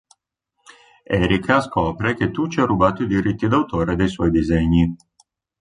Erica scopre che Tucci ha rubato i diritti d'autore dei suoi disegni.